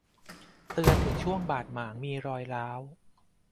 เตือนถึงช่วงบาดหมางมีรอยร้าว